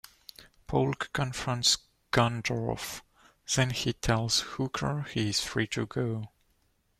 Polk confronts Gondorff, then tells Hooker he is free to go.